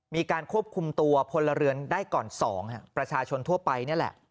มีการควบคุมตัวพลเรือนได้ก่อน๒ประชาชนทั่วไปนี่แหละ